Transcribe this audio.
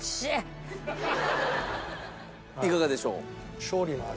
いかがでしょう？